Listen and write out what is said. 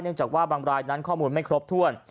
จากว่าบางรายนั้นข้อมูลไม่ครบถ้วน